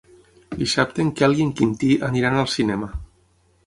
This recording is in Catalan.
Dissabte en Quel i en Quintí aniran al cinema.